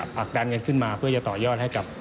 ผลักดันเงินขึ้นมาเพื่อจะต่อยอดให้กับ